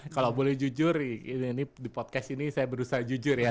kalau boleh jujur ini di podcast ini saya berusaha jujur ya